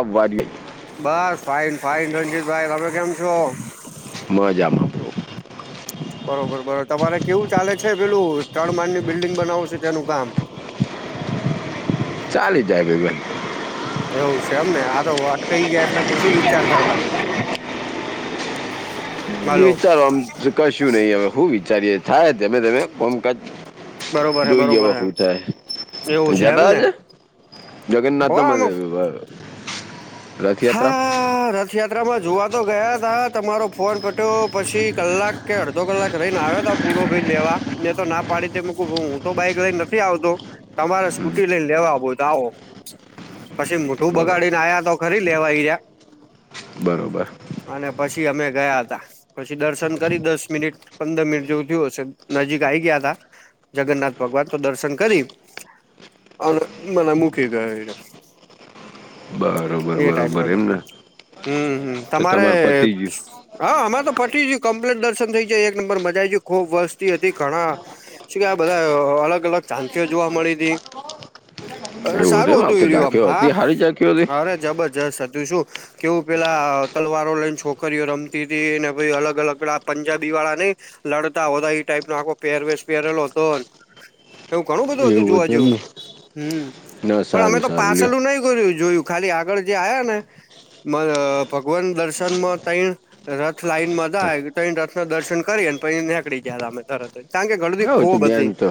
આવા દે. બસ ફાઈન ફાઈન રણજીતભાઈ, તમે કેમ છો? હું મઝામાં [unintelligible] બરોબર બરોબર તમારે કેવું ચાલે છે પેલું તણ માનની બિલ્ડીિંગ બનાવુ છે તેનું કામ ચાલી જાય [unintelligible] એવું છે એમને આ તો અટકાઈ ગયા એટલે શું વિચારતા હતા [unintelligible] [inaudible] વિચારો આમ કશું નહી હવે હું વિચારીએ થાય તમે તમે કોમ. બરોબર હે જોઇએ બરોબર હવ હે હું થાય એવું છે એમને [unintelligible] હો આમ જગન્નાથમાં [unintelligible] હા રથયા ત્રામાં જોવા તો ગયા તા તમારો ફોન પટ્યો પછી કલાક કે અડધો કલાક લઈને આવ્યો તો પૂરો ભાઈ લેવા મેને તો ના પાડી તે મક હું તો બાઈક લઈને નથી આવતો. તમારે હમ, સ્કૂટી લઈને લેવા બો તો આવો પછી મોઠું બરોબર બગાડીને આયા તો ફરી લેવાઈ યા બરોબર અને પછી અમે ગયા હતા પછી દર્શન કરી દસ મિનિટ પંદર મિનિટ જેવું થયું હશે નજીક આવીઈ ગયા તા જગન્નાથ ભગવાન તો દર્શન કરી અને મને મૂકી ગયો બરોબર એ ટાઈપ બરોબર એમ બધા ને હમ્મ હમ્મ તો તમારે તમારું પતી ગયું હા અમે તો ફટી ગું કમ્પ્લીટ દર્શન થઈ જાય એક નંબર મજા ગ ખુબ વસ્તી હતી ઘણા શ કે આ બધા અલગ અલગ ચાંખઓ જોવા મળી હતી અરે સારું હતું એ રહ્યું આમ હા [unintelligible] ચાકી્યો [unintelligible] અરે જબર જસ હતું શું કેવું પેલા તલવારો લઈને છોકરીઓ રમતી હતી ને પ અલગ અલગ પેલા પંજાબી વાળા નઈ- લડતા હોતા ટાઈપ નો આખો પહેરવેશ પહેરેલો હતો- એવું ઘણું બધું હતું એવું જોવા એમ જેવું ને હમ ના પણ અમે સારું તો સારું લ્યો પાસેલું નહી ગયુ જોયું. ખાલી આગળ જે આ્યા ને ભગવાન દર્શન માં ત રથ લાઈનમાં હા, હતા એ રથ ના દર્શન કરીને પઈ નીકળી ગયા હતા અમે તરત જ કારણ કે ગણધી આવું છું ખોબ હતી મેન તો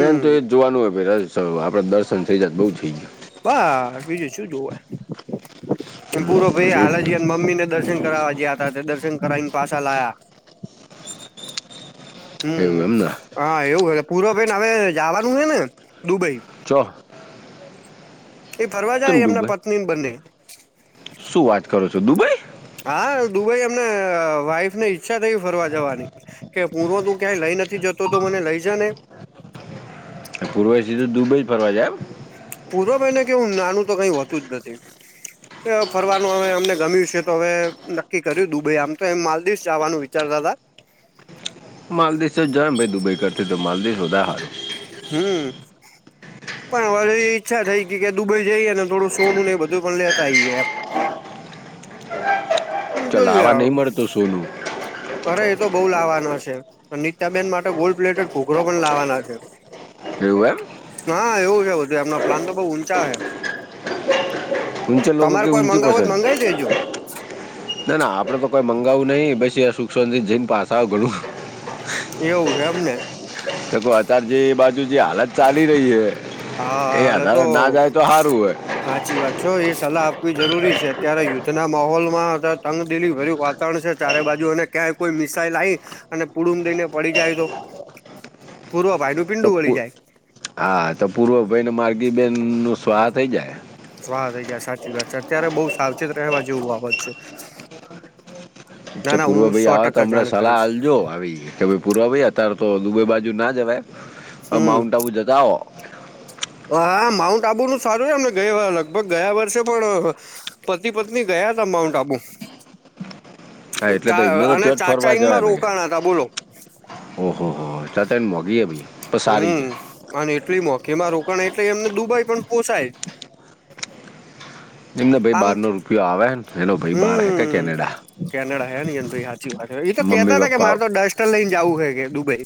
મેન તો એ જ જોવાનું હોય ભ આપડે દર્શન થઈ જાયત બહુ થઈ જાય બા બીજું શું જોવા પૂરો ભાઈ હમ, એ હાાલ ને જ મમ્મી ને દર્શન કરવાવાજ હતા તે દર્શન કરાવ પાછા લાયા [unintelligible] હમ્મ એવું એમ ને હા એવું પૂરોવબેન હવે જવાનું છે ને દુબઈ છો એ ફરવા તમે જાય એમના દુબઈ પત્નીને બંને શું વાત કરો છો દુબઈ હા દુબઈ અમને વાઈફ ને ઈચ્છા થઈ ફરવા જવાની કે પૂરવ તું ક્યાંય લઈ નથી જતો તો મને લઈ જાને પૂર્વથીધ તો દુબઈ જ ફરવા જાયબ- પૂર્વભાઈ કેવું નાનું તો કઈ હોતું જ નથી- ફરવાનું હવે અમને ગમ્યું છે તો હવે નક્કી કર્યું દુબઈ આમ તો એ માલદીિવસ જવાનું વિચારતા હતા. માલદીસ તો જ જો ભાઈ દુબઈ કરથી તો માલદીિવસધા હાર હમ પણ હ એ ઈચ્છા થઈ કે દુબઈ જઈએ થોડું સોનું ને એ બધું પણ લેતા આઈએ એમ એમ ચાલ જોઈએ આવા હવે નહિ મળતો સોનુ અરે એ તો બઉુ લાવવાના છે નીતાબેન માટે ગોલ્ડ પ્લેટેટ ઘોઘરો પણ લાવવાના છે. એવું એમ હા એવું એવું એમના પ્લાન તો બઉુ ઊંચા હે. ઊંચે લોકોગો તમારે કે કોઈ ઊંચી મંગાવું તો પસંદ. મંગાવી દેજો ના ના આપડે તો કોઈ મંગાવવું નઈિ પછી સુખ્વંત જઈને પાસ આવે ઘણું. એવું હે એમ ને. તો અતાર જે એ બાજુ જે હાલત ચાલી રહી હે. એ આધારે ના જાય તો સારું હોય. સાચી વાત છો એ સલાહ આપવી જરૂરી છે અત્યારે યુદ્ધના માહોલમાં તંગ દિલી ભર્યું વા ત્રણ છે ચારે બાજુ અને ક્યાંય કોઈ મિસાઈલ આવી, અને પુડુમ દઈને પડી જાય તો. પૂર્વ વાયડુ તો પીન્ડુ વળી પૂ- જાય. હા તો પૂર્વ ભાઈને માર્ગી બહેન નુ સ્વાહ થઈ જાય. સ્વાહા થઈ જાય સાચી વાત છે અત્યારે બહ સાવચેત રહેવા જેવું બાબત છે. ના ચ્છા ના પૂર્વ હું ભાઈ સો આવે તો ટકા અમને જાણ સલાહ કરીશ હજો આવી કે ભ પૂરો ભાઈ અત્યારે તો દુબઈ બાજુ ના જવાય, હમ માઉન્ટ આબુ જતા આવે. હા માઉન્ટ આબુ નું સારું છે એમને ગય લગભગ ગયા વર્ષે પણ પતિ પત્ની ગયા ત માઉન્ટ આબુ. હા એટલે તો એમને ા તો અને ત્યાં ચાચા ઇનમાં રોકાણ હતા બોલો. ઓહ હો ચા ત એ મોંઘી એ ભી. હમ અને એટલી મોઘીમાં રોકાય એટલે એમને દુબાઈ પણ પોસાય. એમને ભાઈ આમ બારનો રૂપિયો આવે ને હેલો ભાઈ બાર હે કે કેનેડા. હમ કેનેડા હ ની એ ભઈ સાચી વાત એ તો મમ્મી કેતા હતા કે પપ્પા મારે તો ડસ્ટર લઈને જવું હે કે દુબઈ.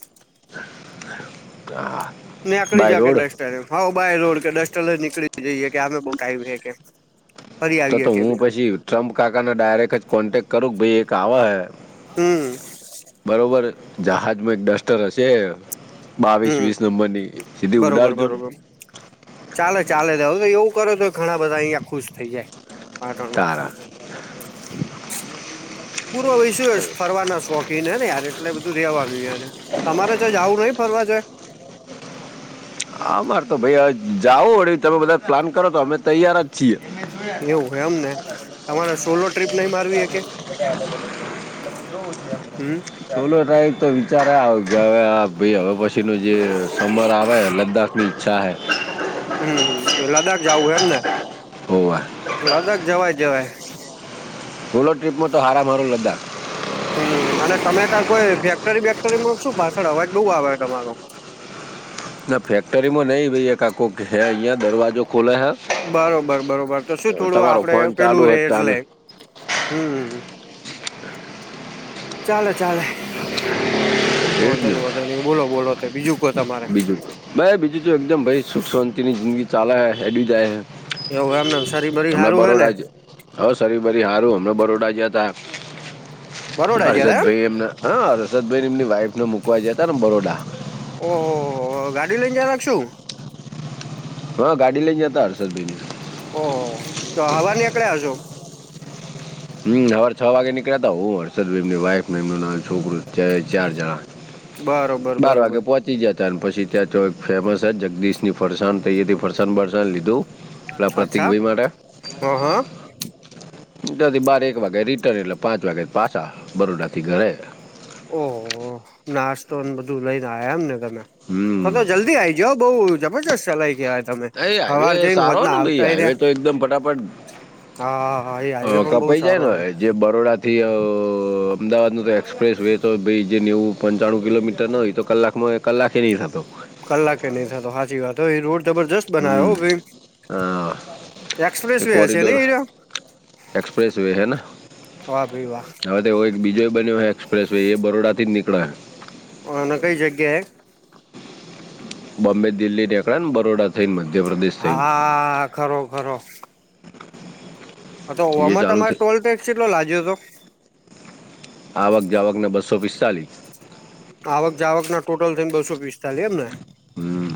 આ નીકળી જ કે ડસ્ટ હ બાય રોડ કે ડસ્ટલ નીકળી જઈએ કે અમે બ ક્યું કે. ફરી તો આવીએ તો કે બે હું પછી ટ્રમ્પ કાકાને ડાયરેક્ટ જ કોન્ટેક્ટ કરું ભાઈ એક આવા હે. હમ બરોબર જહાજમાં એક ડસ્ટર હશે. બાવીસ હમ વીસ નંબરની. સીધી બરોબર ઉડાડજો ને બરોબર ચાલે ચાલે તો એવું કરો તો ઘણા બધા અહિયાંયા ખુશ થઇ જાય. પાટોળમાં તારા [unintelligible] પૂરો હોય શું ફરવાના શોખ ને ને યાર એટલે બધું રેવાનું ય તમારે જો જવું નઈ ફરવા જોએ [unintelligible] આ મારે તો ભાઈ અ જાવઓ વળી તમે બધા પ્લાન કરો તો અમે તૈયાર જ. છ [unintelligible] એવું એમ ને તમારે સોલો ટ્રીપ નહી મારવી હકે [inaudible] હમ સો લો ટાઈ તો વિચારે આવે કે હવે ભ હવે પછી ન જે સમર આવે. ચાહેૈ. હમ લદ્દાખ જાવું એમ ને. હોવા. લદાખ જવાય જવાય ખૂલો ટ્રીપમાં હારંમરરો લદ્દાખ [unintelligible] હમ અને તમે ત્યા કોઈ ફેક્ટરી બેક્ટરીમાં શું પાછળ અવાજ બઉુ આવે તમારો. ના ફેક્ટરીમાં નહિ ભાઈ એક કાકો હ અહીંયા દરવાજો ખોલે હ. બરોબર બરોબર તો શું થોડું આપડે ફોન પેલું ચાલુ હે રે તાને એટલે. હમ ચાલ ચાલેલે એ વધો જ ને નહી વાો નહી બોલો બોલો તો બીજું ક તમારે [unintelligible] ભ બીજું તો એકદમ ભાઈ સુખ શાંતિની જિંદગી ચાલે હેડી જાય એવું એમને નર્સરી હમણાં સારું હે ને બરોડા જ હ સરી બરી સારું હમણા બરોડા જયા ત બરોડા જયારે હર્ષદ ભાઈ એમ હા હર્ષદભાઈ એમની વાઇફ ને મૂક જતા ને બરોડા ઓહહ ગાડી લઈને જયલા શું હા ગાડી લઈ જતા હડસદ દિ ઓહ તો હવા નીકળ્યા હ છો [unintelligible] હમ સવાર છ વાગે નીકળ્યાતા હું હર્ષદભાઈ એની વાફ એનું છોકરું ચાર જણા બરોબર બાર વાગે બરોબર પોહોચવુ. પચી જતા અને પછી ત્યાં ચ ફેમસ છે જગદીશ ની ફરસણ થઈ હતી ફરસાણ બરસ લીધું. પેલા અચ્છા પ્રતિકભાઈ માટે હહા. ટાથી બાર એક વાગે રિટર્ન એટલે પાંચ વાગે પાછા બરોડા થી ઘરે. ઓહ નાસ્તોને બધું લઈને આ્યા એમને તમે તો હમ તો જલ્દી આઈ. બઉુ જબરજસ્ત ચલાય ગયા તમે એ હાઈવે હવાર જઈને હોજ સારો ને ભાઈ આવતા એ હાઈવે ત્યા તો એકદમ ફટાફટ હા હા હા એ અ, હાઈવે પણ બહુ કપાઈ જાય સારો ને હતો જે બરોડાથી અ અ અ અમદાવાદનું તો એક્સપ્રેસ વે તો બ્રિજ જે ન્યવું પંચાણું કિલોમીટર ન હોય તો કલાકમાં કલાકે નહીં થતો [unintelligible] કલાકે નહી થતો સાચી વાત એ રોડ જબરજસ્ત બનાયો હો હમ હા ભાઈ એક્સપ્રેસ એ વે હ છે નને કોરિડોર એ એક્સપ્રેસ વે હે ને વાહ ભાઈ વાહ. હવે એક બીજો બન્યો એક્સપ્રેસ વે એ બરોડાથી જ નીકળે. અ ના કઈ જગ્યાએ. બોમ્બે દિલ્હી ટેક અને બરોડા. થઈને મધ્યપ્રદેશ થઈને હા ખરો ખરો. અ તો એ હવામાં ચાલુ તમારે છે ટોલ ટેક્સ કેટલો લાગ્યો હતો. આવક જાવકને બસો પિસ્તાલીસ. આવક જાવક ના ટોટલ થઈને બસો પિસ્તાલી એમને હમ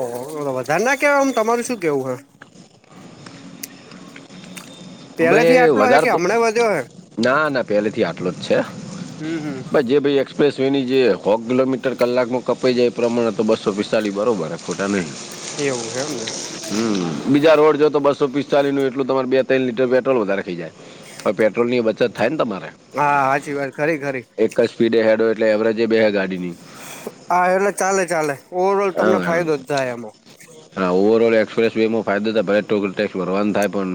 ઓહો. વધારે ના કેવાયમ તમાર શું કેવું હ. પેલેથી ભાઈ આટલો હે વધારે કે તો હમણાં વધ્યો હે ના ના પેલેથી આટલો જ છે. હમ હમ. પ્લસ એની જે હો કિલોમીટર કલાકમાં કપાઈ જાય એ પ્રમાણે તો બસો પિસ્તાળી બરાબર ખોટા નહીં. એવું છે એમને. હમ બીજા રોડ જો તો બસો પિસ્તાલીસ નું એટલું તમારે બે ત્રણ લીટર પેટ્રોલ વધારે ખઈ જાય હવે પેટ્રોલની બચત થાય છે ને તમારે. હા સાચી વાત ખરી ખરી. એક જ સ્ડ હેડો એટલે એવરેજે બે હ ગાડીની. હા એટલે ચાલે ચાલે ઓવર ઓલ તમને હા ફાયદો જ થાય એમાં. હા ઓવરઓલ એક્સપ્રેસ વેમાં ફાયદો થ ભલે ટુ વલ ટેક્સ ભરવાનું થાય પણ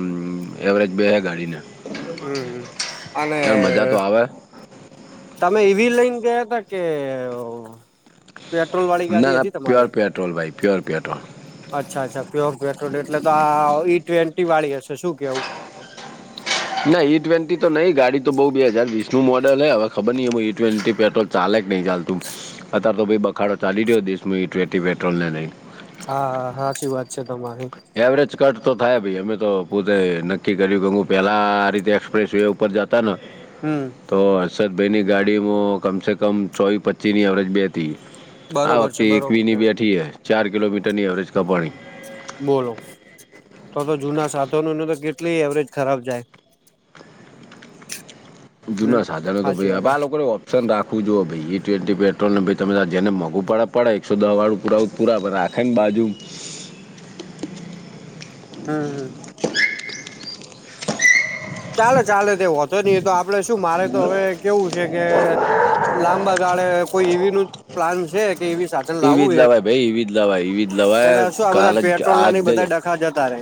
એવરેજ બે છે ગાડીને. હમ અને. યાર મજા તો આવે તમે એવી લઈને ગયા તા કે પેટ્રોલ વાળી ના ગાડી ના હતી પ્યોર તમારે. પેટ્રોલ ભાઈ પ્યોર પેટ્રોલ અચ્છા અચ્છા પ્યોર પેટ્રોલ એટલે તો આ ઈ ટ્વેન્ટી વાળી હશે શું કેવું. ના ઈ ટ્વેન્ટી તો નઈ ગાડી તો બઉુ બે હજાર વીસ નું મોડલ હવે ખબરહિ એમું ઈ્વેન્ટી પેટ્રોલ ચાલે. નહી ચાલતું અતાર તો ભાઈ બખાડો ચાલી રહ્યો દશું ટટી પેટ્રોલ ને નઈ. હા હા સાચી વાત છે તમારી. એવરેજ કટ તો થાય ભાઈ અમે તો પોતે નક્કી કર્યું કે હું પેલા આ રીતે એક્સપ્રેસ વે ઉપર જતા ત નુ હમ તો હર્ષદભાઈની ગાડીમાં કમસેે કમ ચોવીસ પચ્ચીસની એવરેજ બે હતી. આ બરોબર છે વખતે એકવીસ બરોબર ની બેઠી છે ચાર કિલોમીટર ની એવરેજ બોલો તો તો જુના સાધનોનો તો કેટલી એવરેજ ખરાબ જાય હમ. જૂના સાધનોનો તો સાચી ભાઈ વાત હ આ લોકો ન રાખું જોઓ ભાઈ ટ્વેન્ટી પેટ્રોલ ને ભાઈ તમે જેને મોંઘુ પડે એકસો દસ વાળું પુરાું પૂરા બ આખેંગ બાજું હમ હમ [unintelligible] ચાલે ચાલે તે વાંધો નહીં તો આપડે શું મારે તો હવે કેવું છે કે લાંબા ગાળે કોઈ એવો પ્લાન છે. એવુ સાધન એવી લાવું જ છે લવાય ભાઈ એવી જ લવાય એવી જ લવાય એટલે શું આ કાલ બધા જ આજ પેટ્રોલના જ બધા ડખા જતા રે.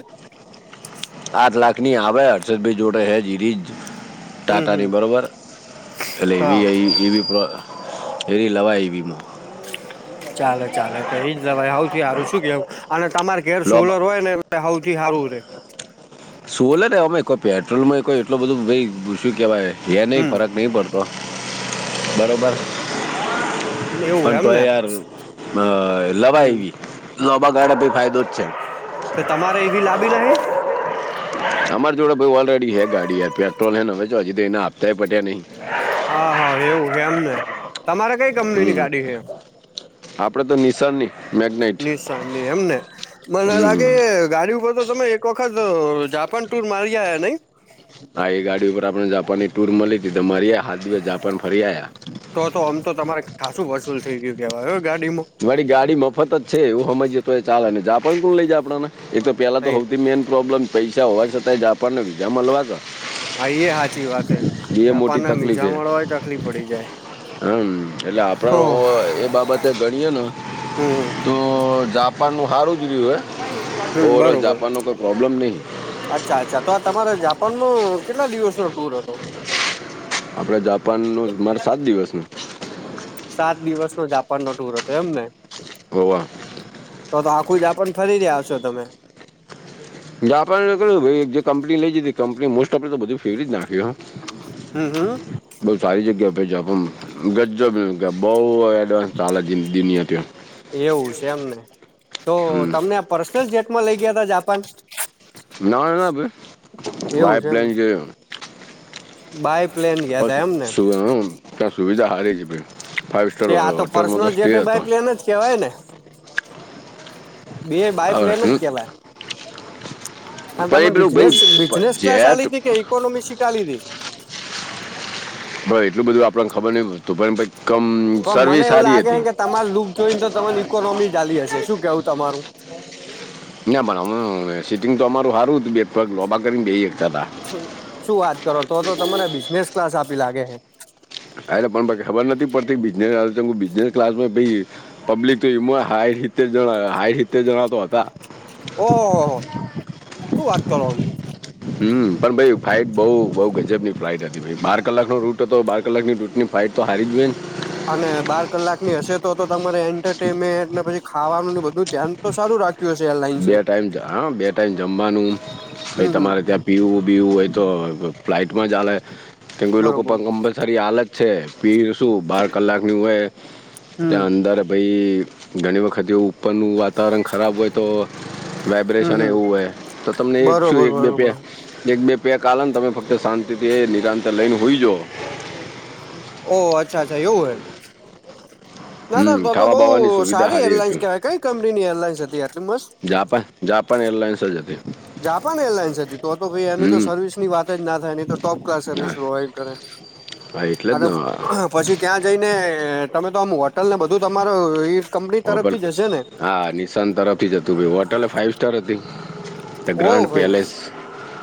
આઠ લાખની આવે હર્ષદભાઈ જોડે છે. હમ હમ ટાટાની બરાબર એટલે હા. એવી પ્રો લવાય. ચાલે ચાલે તો એજ લવાય સૌથી સારું શું કેવું અને તમારે ઘેર લો બ- સોલર હોય ને સૌથી સારું સોલર એમા કોઈ પેટ્રોલ માં કોઈ એટલું બધો શું કેહેવાય હમ ફરક નહી પડતો. તો બરાબર એવું પણ એમ તો ને યાર લવાય હમ એવી લાંબા ગાળે ફાયદો જ છે. તો તમારે એવી લાવવી નથી. અમારી જોડે ભાઈ ઓલરેડી છે ગાડી પેટ્રોલ હવે તો આપતા પણ નથી. હા હા એવું છે એમને તમારે કઈ કંપની ની ગાડી છે. આપડે તો નિશાનની [unintelligible] મેગ્નેટ નિશાનની એમને મને લાગે હમ ગાડી ઉપર તો તમે એક વખત જાપાન ટુર કરી આયા નઈ. આ એ ગાડી ઉપર આપણને જાપાન ની ટુર મળી હતી તો ફરી આયા. તો તો આમ તો તમારે ખાસું વસૂલ થઈ ગયું કેવાય ગાડીમાં. મારી ગાડી મફત જ છે એવું સમજીએ તો એ ચાલે ને જાપાન કોણ લઇ જાય આપણને એ તો પેલા તો હા સૌથી મેઈન પ્રોબ્લેમ પૈસા હોવા છતાંય જાપાનના વિઝા મળવા. ભાાઈ એ સાચી વાત એ મોટી જાપાનને તકલીફ વિઝા છે મળવા તકલીફ પડી જાય છે. હમ એટલે આપણને એ બાબતે ઘણી હમ તો જાપાનનું સારું ગયું છે. હમ ઓવર ઓલ બરોબર જાપાનમાં કોઈ પ્રોબ્લેમ નથી. અચ્છા અચ્છા તો આ તમારા જાપાન નો કેટલા દિવસનો ટુર હતો. આપડે જાપાન નું મારે સાત દિવસ સાત દિવસ નો જાપાન નો ટુર હતો એમને હા. તો તો આખું જ આપ પણ ફરી રહ્યા છો તમે. જાપાનની જે કંપની લય ગઈ હતી તેને બધું મોસ્ટ ઓફ ફેરવી જ નાખ્યું છે. હમ હમ બહુ સારી જગ્યાએ મોકલ્યા પણ ગજબ છે બહુ એડવાન્સ ચાલે છે જિંદગી ની અંદર. એવું છે એમને તો હમ તમને પર્સનલ જેટમાં લઇ ગયા હતા જાપાન. નાનાભાઈ એવું છે એમ એરોપ્લેનમાં. બાય. પ્લેન ગયા તા એમને ત્યાં બધી સુવિધા સારી છે. ફાાઈવ સ્ટાર તે આ હોટલમાં તો પર્સનલ સ્ટે જેટ હતો બાય પ્લેન એ જ કવાય ને બે બાય હવે પ્લેન જ શું કેલા પણ તને એ પેલું બિઝનેસ ભાઈ પ- બિઝનેસ ક્લાસ જેટ આલી ત કે ઇકોનોમિક શીખલી તી હ એટલું બધું આપણને ખબર નહ પ તું પણ કમ પણ મને સર્વિસ એવું સારી લાગે હતી કે તમાર લુક જોઈને તો તમારી ઇકોનોમી ચાલી હશે શું કેવું તમારું [unintelligible] ના પણ હ સિટિંગ તો અમાર સારું હતું બે લોભા કરીને બેસી શકતા હતા શું વાત કરો તો તો તમને બિઝનેસ ક્લાસ આપી લાગે છે અ પણ ખબર નથી પડતી બને બ ક્લાસ પબ્લિક તો હ રીતે જ હાઈ રીતે જણાતો હતા ઓહો ઓહ શું વાત કરો હમ પણ ભાઈ ફ્લાઇટ બઉ બઉ ગજબની ફ્લાઇટ હતી બાર કલાકનો રૂટ હતો બાર કલાકની રૂટની ભાઈ તો હારી જ બેન અને બાર કલાકની હશે તો તો તમારે એન્ટરટેનમેન્ટ ને પછી ખાવાનું બધું ધ્યાન તો સારું રાખે બે ટાઈમ હા બે ટાઈમ જમવાનું હમ ભાઈ હમ તમારે ત્યાં પીવું બીવું હોય તો ફ્લાઈટમાં ચાલે કે કોઈ લોકો બરોબર પણમ બસ સારી હાલત છે પી શું બાર કલાકની હોય હમ ત્યાં અંદર ભાઈ ઘણી વખત જે ઉપરનું વાતાવરણ ખરાબ હોય તો હમ વાઇબ્રેશન હમ એવું હોય તો તમને એક શું બરોબર એક બે પ બરોબર એક બે બે કલને તમે ફક્ત શાંતિથી નિરાંતર લઈને હોઈ જાો ઓહ અચ્છા અચ્છા એવું હ ના સરા હમ તો ખાવા તો બાવાની બહ સુવિધા સારી એરલાઇન્સ હતી કહેવાય કઈ કંપની એરલાઇન્સ હતી આટલી મસ્ત જાપાન જાપાન એરલાઇન્સ જ હતી. જાપાન એરલાઇન્સ હતી તો તો કઈ એની તો હમ સર્વિસની વાત જ ના થાય એની તો ટોપ કલાસ હા સર્વિસ પ્રોવા કરે હા એટલે જ અને ને પછી. ત્યાં જઈને તમે તો આમ હોટલને બધું તમારું લ હા નિશાન તરફથી જ હતું હોટલ ફાઈવ સ્ટાર હતું. દ ઓ ગ્રાન્ડ ભાઈ પેલેસ